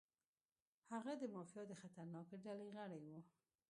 هغه د مافیا د خطرناکې ډلې غړی و.